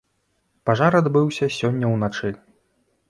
Пажар адбыўся сёння ўначы.